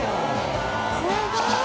すごい！